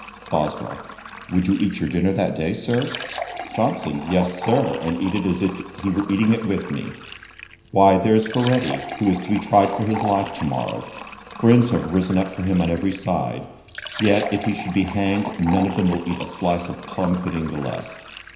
BOSWELL. 'Would you eat your dinner that day, Sir?' JOHNSON. 'Yes, Sir; and eat it as if he were eating it with me. Why, there's Baretti, who is to be tried for his life to morrow, friends have risen up for him on every side; yet if he should be hanged, none of them will eat a slice of plumb pudding the less.